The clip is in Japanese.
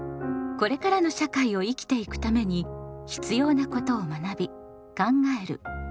これからの社会を生きていくために必要なことを学び考える「公共」。